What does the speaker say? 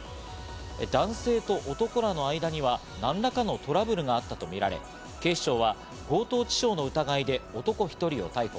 男性と男らの間には何らかのトラブルがあったとみられ、警視庁は強盗致傷の疑いで男１人を逮捕。